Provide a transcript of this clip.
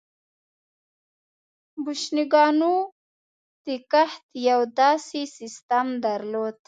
بوشنګانو د کښت یو داسې سیستم درلود